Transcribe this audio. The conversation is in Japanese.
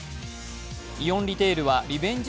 イオンリテールはリベンジ